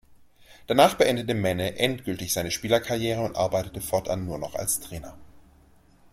Danach beendete Menne endgültig seine Spielerkarriere und arbeitete fortan nur noch als Trainer.